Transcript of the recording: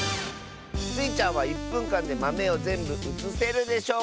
スイちゃんは１ぷんかんでまめをぜんぶうつせるでしょうか？